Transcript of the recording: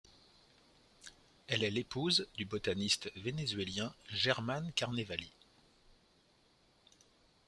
Elle est l'épouse du botaniste vénézuélien Germán Carnevali.